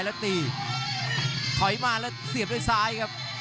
ยังไงยังไง